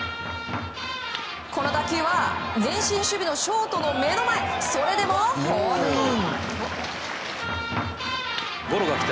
この打球は前進守備のショートの目の前それでもホームイン。